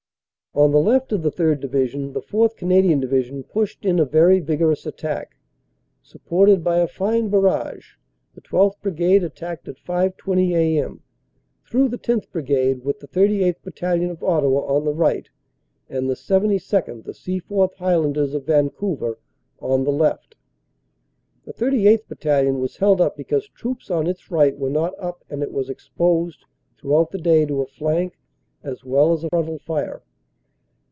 On the left of the 3rd. Division the 4th. Canadian Division pushed in a very vigorous attack. Supported by a fine barrage the 12th. Brigade attacked at 5.20 a.m. through the 10th Bri gade, with the 38th. Battalion, of Ottawa, on the right, and the 72nd., the Seaforth Highlanders of Vancouver, on the left. The 38th. Battalion was held up because troops on its right were not up and it was exposed throughout the day to a flank as well as frontal fire.